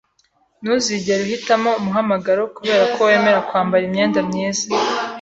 Ntuzigere uhitamo umuhamagaro kubera ko wemera kwambara imyenda myiza.